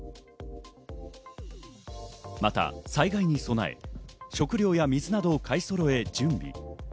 また災害に備え、食料や水を買いそろえ準備。